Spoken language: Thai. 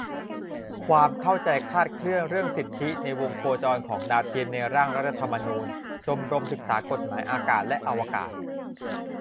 ความเข้าใจคลาดเคลื่อนเรื่องสิทธิในวงโคจรของดาวเทียมในร่างรัฐธรรมนูญ - ชมรมศึกษากฎหมายอากาศและอวกาศ